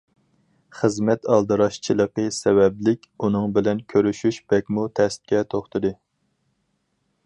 خىزمەت ئالدىراشچىلىقى سەۋەبلىك ئۇنىڭ بىلەن كۆرۈشۈش بەكمۇ تەسكە توختىدى.